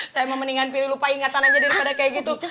saya mau mendingan pilih lupa ingatan aja daripada kayak gitu